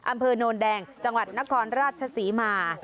อำเภอโนนแดงจังหวัดนครราชศรีมา